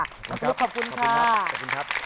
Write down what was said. ขอบคุณค่ะ